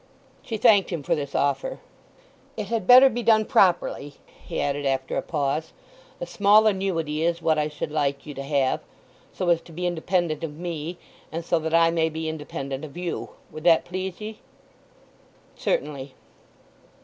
She thanked him for this offer. "It had better be done properly," he added after a pause. "A small annuity is what I should like you to have—so as to be independent of me—and so that I may be independent of you. Would that please ye?" "Certainly."